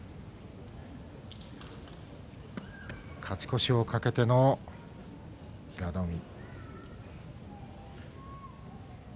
勝ち越しを懸けての平戸海。